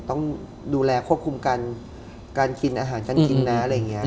ต้องดูแลควบคุมการกินอาหารการกินนะอะไรอย่างนี้